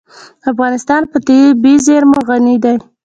افغانستان په طبیعي زیرمې غني دی.